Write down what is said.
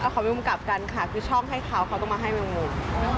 เขาไปมุมกลับกันค่ะคือช่องให้เขาเขาต้องมาให้แมว